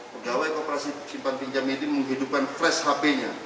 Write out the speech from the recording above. pegawai koperasi simpan pinjam ini menghidupkan flash hp nya